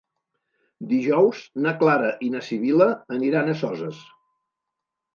Dijous na Clara i na Sibil·la aniran a Soses.